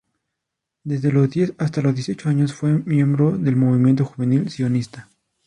Desde los diez hasta los dieciocho años fue miembro del Movimiento Juvenil Sionista.